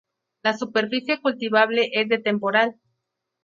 La superficie cultivable es de temporal.